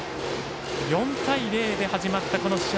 ４対０で始まったこの試合